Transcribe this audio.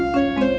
bapak juga begitu